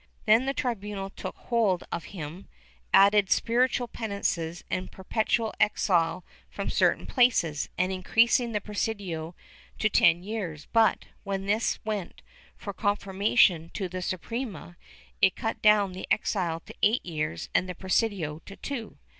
Then the tribunal took hold of him, adding spiritual penances and perpetual exile from certain places, and increasing the presidio to ten years, but, when this went for confirmation to the Suprema, it cut down the exile to eight years and the presidio to two.